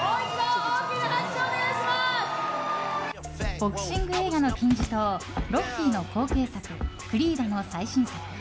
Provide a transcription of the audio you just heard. ボクシング映画の金字塔「ロッキー」の後継作「クリード」の最新作。